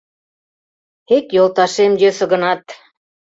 Эк, йолташем, йӧсӧ гынат